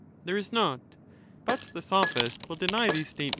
There is not ; but the Sophist will deny these state '^« So ^